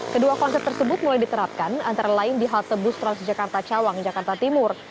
kedua konsep tersebut mulai diterapkan antara lain di halte bus transjakarta cawang jakarta timur